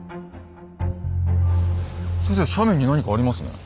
先生斜面に何かありますね。